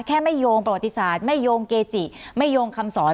แค่ไม่โยงประวัติศาสตร์ไม่โยงเกจิไม่โยงคำสอน